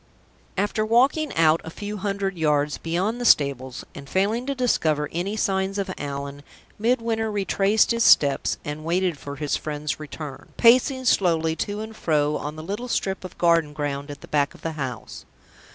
After walking out a few hundred yards beyond the stables, and failing to discover any signs of Allan, Midwinter retraced his steps, and waited for his friend's return, pacing slowly to and fro on the little strip of garden ground at the back of the house.